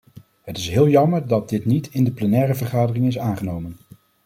Het is heel jammer dat dit niet in de plenaire vergadering is aangenomen.